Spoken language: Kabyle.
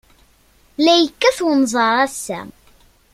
La yekkat unẓar ass-a.